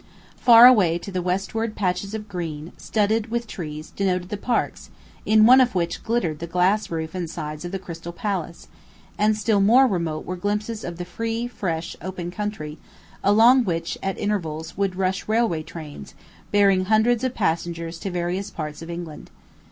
Far away to the westward patches of green, studded with trees, denoted the parks, in one of which glittered the glass roof and sides of the Crystal Palace; and still more remote were glimpses of the free, fresh, open country, along which, at intervals, would rush railway trains, bearing hundreds of passengers to various parts of England.